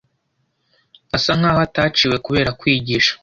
Asa nkaho ataciwe kubera kwigisha.